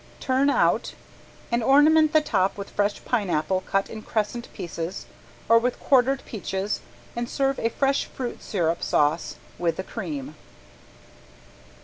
Turn out and ornament the top with fresh pineapple cut in crescent pieces or with quartered peaches and serve a fresh fruit sirup sauce with the cream.